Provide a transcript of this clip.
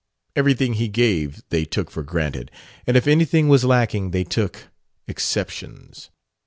Everything he gave they took for granted. And if anything was lacking they took exceptions.